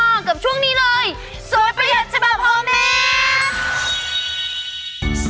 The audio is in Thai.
เกือบช่วงนี้เลยสวยประหยัดฉบับโฮเมส